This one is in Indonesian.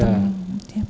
tidak ada ya